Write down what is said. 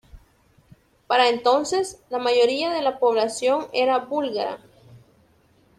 Para entonces, la mayoría de la población era búlgara.